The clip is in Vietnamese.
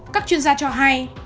các chuyên gia cho hay